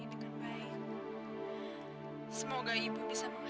gimana kalau tidur di rumah